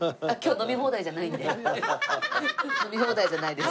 飲み放題じゃないです。